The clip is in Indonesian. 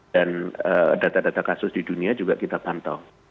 dan data data kasus di dunia juga kita pantau